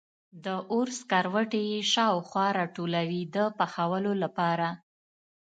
د اور سکروټي یې خوا و شا ته راټولوي د پخولو لپاره.